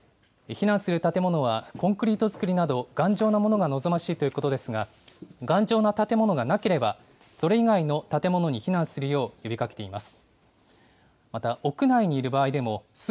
避難する建物はコンクリート造りなど頑丈なものが望ましいということですが、頑丈な建物がなければ、それ以外の建物に避難するよう呼びかけています。